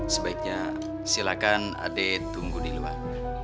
sebaiknya silakan ade tunggu di luar